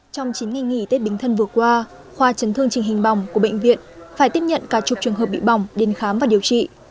trong chín ngày nghỉ tết bính thân vừa qua khoa chấn thương trình hình bỏng của bệnh viện phải tiếp nhận cả chục trường hợp bị bỏng đến khám và điều trị